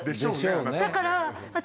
だから私。